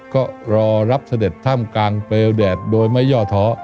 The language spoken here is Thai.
ก็รอรับเสด็จถ้ำกลางเปลวแดดโดยไม่ย่อท้อ